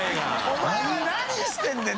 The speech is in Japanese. お前は何してるんだよ！